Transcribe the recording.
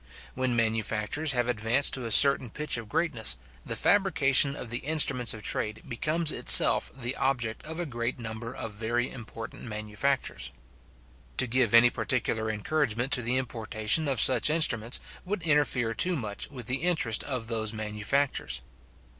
When manufactures have advanced to a certain pitch of greatness, the fabrication of the instruments of trade becomes itself the object of a great number of very important manufactures. To give any particular encouragement to the importation of such instruments, would interfere too much with the interest of those manufactures.